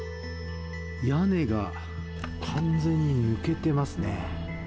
屋根が完全に抜けてますね。